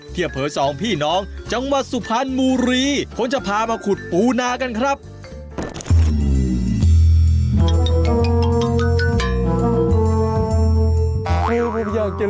เฮ้ยผมอยากจะร้องได้